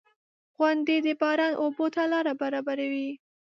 • غونډۍ د باران اوبو ته لاره برابروي.